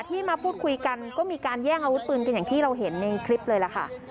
ที่มาพูดคุยกันก็มีการแย่งอาวุธปืนกันอย่างที่เราเห็นในคลิปเลยล่ะค่ะ